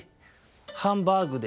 「ハンバーグでしょ。